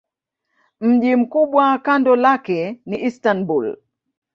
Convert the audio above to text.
Mji mkubwa kando lake ni Istanbul.